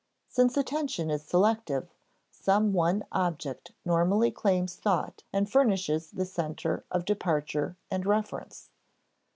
Since attention is selective, some one object normally claims thought and furnishes the center of departure and reference.